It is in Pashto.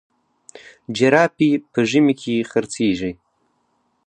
جراپي په ژمي کي خرڅیږي.